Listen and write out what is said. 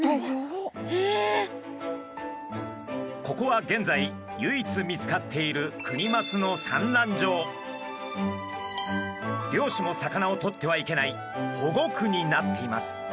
ここは現在唯一見つかっている漁師も魚を取ってはいけない保護区になっています。